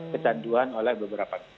kecanduan oleh beberapa